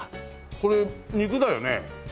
これ肉だよね？